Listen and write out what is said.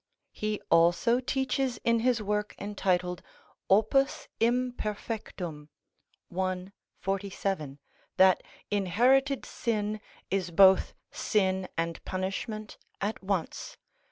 He also teaches in his work entitled "Opus Imperfectum," i. 47, that inherited sin is both sin and punishment at once.